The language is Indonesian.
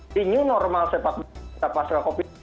di new normal sepak bola pasca kopit